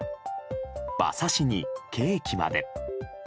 馬刺しにケーキまで。